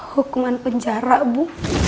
hukuman penjara bu